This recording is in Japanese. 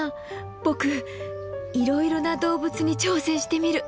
ボクいろいろな動物に挑戦してみる！